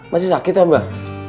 masih sakit ya mbah